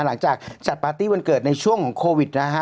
หลังจากจัดปาร์ตี้วันเกิดในช่วงของโควิดนะฮะ